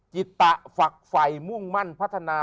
จิตตะฝักไฟมุ่งมั่นพัฒนา